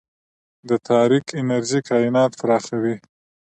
د تاریک انرژي کائنات پراخوي.